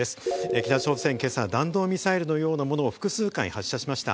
北朝鮮が今朝、弾道ミサイルのようなものを複数回発射しました。